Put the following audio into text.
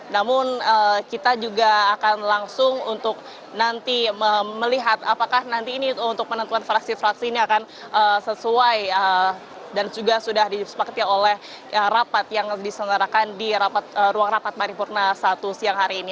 namun kita juga akan langsung untuk nanti melihat apakah nanti ini untuk penentuan fraksi fraksi ini akan sesuai dan juga sudah disepakati oleh rapat yang diselenggarakan di ruang rapat paripurna satu siang hari ini